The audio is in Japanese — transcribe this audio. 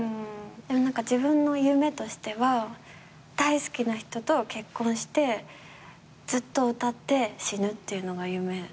自分の夢としては大好きな人と結婚してずっと歌って死ぬっていうのが夢。